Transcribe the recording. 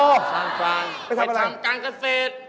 ไปทำการเกษตร